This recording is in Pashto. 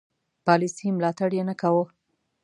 پالیسي ملاتړ یې نه کاوه.